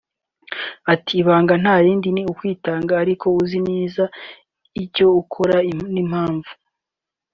ati “Ibanga nta rindi ni ukwitanga ariko uzi neza icyo ukora n’impamvu